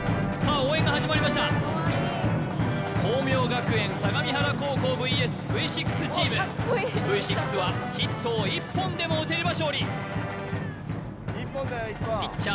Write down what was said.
応援が始まりました光明学園相模原高校ＶＳＶ６チームＶ６はヒットを１本でも打てれば勝利ピッチャー